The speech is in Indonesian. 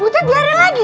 bu ted biarin lagi